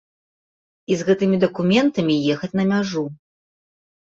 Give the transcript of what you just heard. І з гэтымі дакументамі ехаць на мяжу.